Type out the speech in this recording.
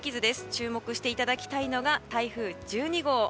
注目していただきたいのが台風１２号。